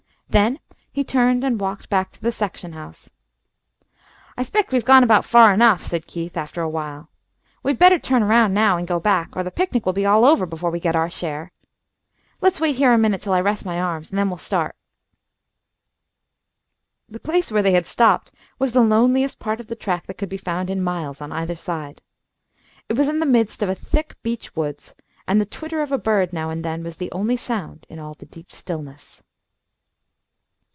Then he turned and walked back to the section house. "I s'pect we've gone about far enough," said Keith, after awhile. "We'd better turn around now and go back, or the picnic will all be over before we get our share. Let's wait here a minute till I rest my arms, and then we'll start." The place where they had stopped was the loneliest part of the track that could be found in miles, on either side. It was in the midst of a thick beech woods, and the twitter of a bird, now and then, was the only sound in all the deep stillness.